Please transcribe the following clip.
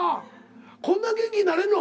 こんな元気になれんの？